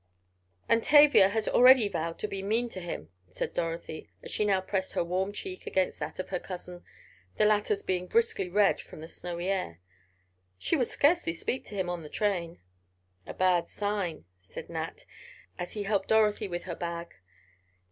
"And Tavia has already vowed to be mean to him," said Dorothy, as she now pressed her warm cheek against that of her cousin, the latter's being briskly red from the snowy air. "She would scarcely speak to him on the train." "A bad sign," said Nat, as he helped Dorothy with her bag.